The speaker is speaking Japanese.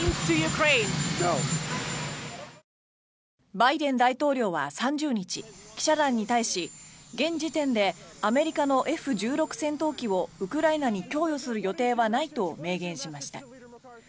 バイデン大統領は３０日記者団に対し現時点でアメリカのＦ１６戦闘機をウクライナに供与する予定はないと明言しました。